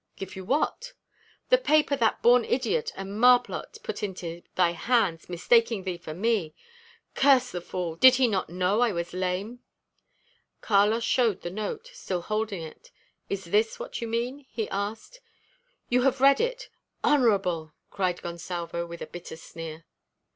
"Give you what?" "The paper that born idiot and marplot put into thy hands, mistaking thee for me. Curse the fool! Did he not know I was lame?" Carlos showed the note, still holding it. "Is this what you mean?" he asked. "You have read it! Honourable!" cried Gonsalvo, with a bitter sneer.